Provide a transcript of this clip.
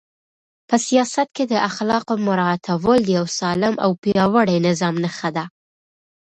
په سیاست کې د اخلاقو مراعاتول د یو سالم او پیاوړي نظام نښه ده.